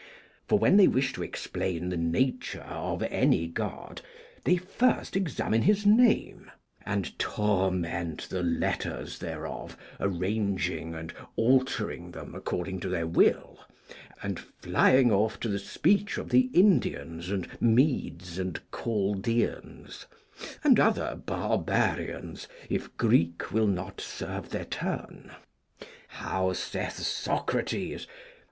For, when they wish to explain the nature of any God, they first examine his name, and torment the letters thereof, arranging and altering them according to their will, and flying off to the speech of the Indians and Medes and Chaldeans, and other Barbarians, if Greek will not serve their turn. How saith Socrates?